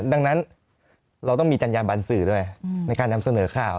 ดังนั้นเราต้องมีจัญญาบันสื่อด้วยในการนำเสนอข่าว